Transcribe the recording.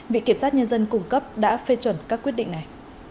bị kiểm soát nhân dân cung cấp đã phê chuẩn các quyết định này